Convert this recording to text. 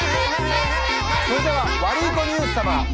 それではワルイコニュース様。